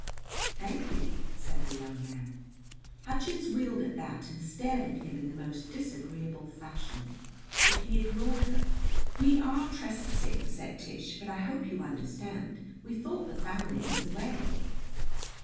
"Thank you," said the young man. Hutchins wheeled at that and stared at him in the most disagreeable fashion; but he ignored her. "We are trespassing," said Tish; "but I hope you understand. We thought the family was away."